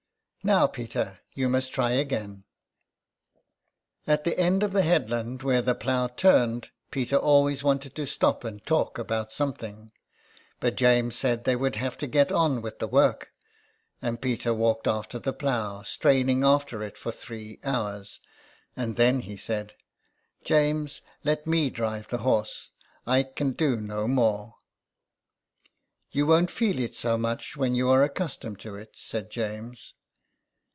" Now, Peter, you must try again.'' At the end of the headland where the plough turned, Peter always wanted to stop and talk about something ; but James said they would have to get on with the work, and Peter walked after the plough, straining after it for three hours, and then he said :" James, let me drive the horse. I can do no more." " You won't feel it so much when you are accustomed to it," said James.